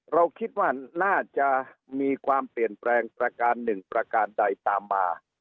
เราคิดว่าน่าจะมีความเปลี่ยนแปลงประการหนึ่งประการใดตามมา